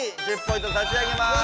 １０ポイントさしあげます。